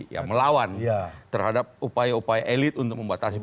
ya melawan terhadap upaya upaya elit untuk membatasi